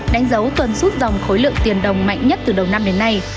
đánh dấu tuần rút rộng khối lượng tiền đồng mạnh nhất từ đầu năm đến nay